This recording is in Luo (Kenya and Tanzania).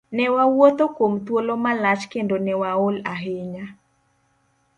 Newawuotho kuom thuolo malach kendo ne waol ahinya.